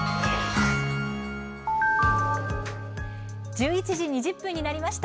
１１時２０分になりました。